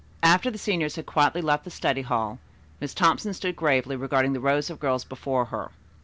After the seniors had quietly left the study hall, Miss Thompson stood gravely regarding the rows of girls before her.